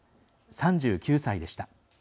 ３９歳でした。